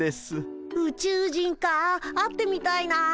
ウチュウ人か会ってみたいな。